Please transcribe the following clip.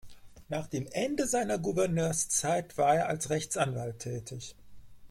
Nach dem Ende seiner Gouverneurszeit war er als Rechtsanwalt tätig.